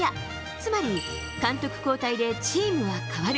つまり監督交代でチームは変わる。